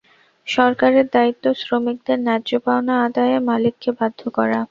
সরকারের দায়িত্ব শ্রমিকদের ন্যায্য পাওনা আদায়ে মালিককে বাধ্য করা।